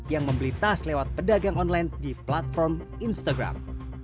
yang membeli tas lewat pedagang online di platform instagram